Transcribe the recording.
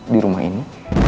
di rumah ini